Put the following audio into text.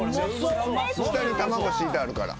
下に卵敷いてあるから。